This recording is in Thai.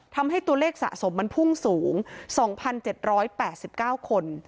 ทำให้ตัวเลขสะสมมันพุ่งสูง๒๗๘๙คน